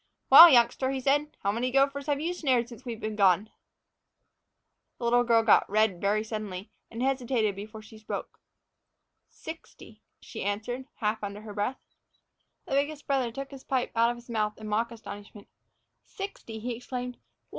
"Well, youngster," he said, "how many gophers have you snared since we've been gone?" The little girl got red suddenly, and hesitated before she spoke. "Sixty," she answered, half under her breath. The biggest brother took his pipe out of his mouth in mock astonishment. "Sixty!" he exclaimed. "Why, geewhitaker!